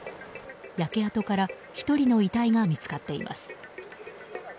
焼け跡から１人の遺体が見つかっています。